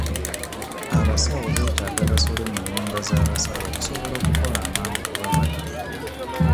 Abasawo beetaaga basule mu nnyumba z'abasawo okusobola okukola amangu ku balwadde.